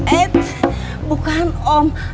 eh bukan om